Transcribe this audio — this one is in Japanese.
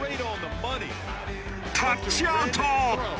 タッチアウト！